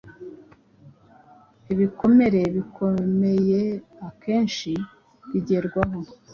Ibikomere bikomeyeakenshi bigerwaho